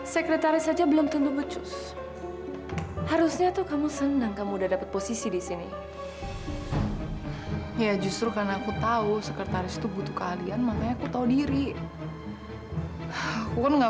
sekretaris merangkap calon istri saya winona